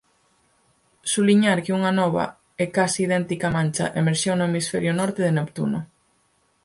Suliñar que unha nova e case idéntica mancha emerxeu no hemisferio norte de Neptuno.